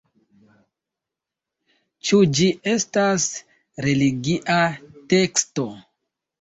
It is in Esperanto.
Ĉu ĝi estas religia teksto?